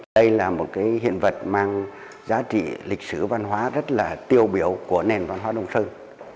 đây là một hiện vật mang giá trị lịch sử văn hóa rất là tiêu biểu của nền văn hóa đông sơn